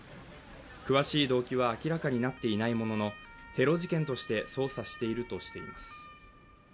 詳しい動機は明らかになっていないものの、テロ事件として捜査しているとしています。